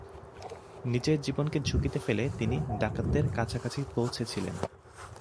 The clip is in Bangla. নিজের জীবনকে ঝুঁকিতে ফেলে তিনি ডাকাতদের কাছাকাছি পৌঁছেছিলেন।